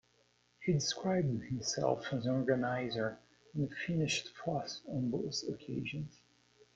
He described himself as an organizer, and finished fourth on both occasions.